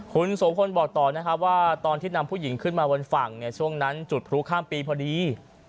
คุณโสพลบอกต่อนะครับว่าตอนที่นำผู้หญิงขึ้นมาบนฝั่งช่วงนั้นจุดพลุข้ามปีพอดี